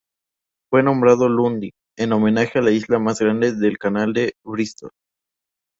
Fue nombrado Lundy en homenaje a la isla más grande del canal de Bristol.